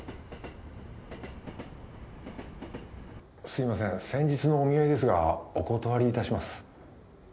すいません先日のお見合いですがお断りいたします